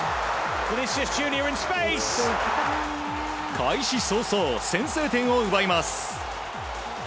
開始早々、先制点を奪います。